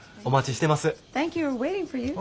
お待ちしてます。